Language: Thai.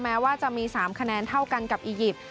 แม้ว่าจะมี๓คะแนนเท่ากันกับอียิปต์